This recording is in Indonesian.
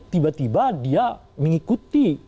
tiba tiba dia mengikuti